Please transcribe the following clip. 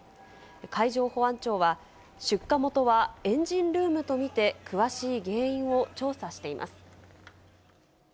海上保安庁は、出火元はエンジンルームと見て、詳しい原因を調査しています。